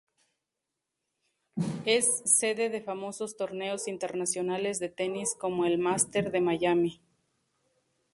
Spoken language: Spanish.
Es sede de famosos torneos internacionales de tenis como el Masters de Miami.